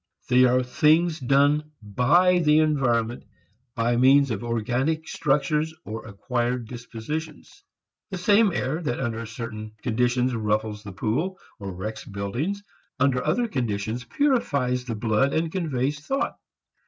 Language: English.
They are things done by the environment by means of organic structures or acquired dispositions. The same air that under certain conditions ruffles the pool or wrecks buildings, under other conditions purifies the blood and conveys thought.